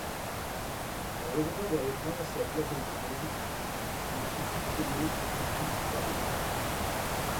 En revenant vers les princes à Blankenburg, il fut soupçonné et partit pour Paris.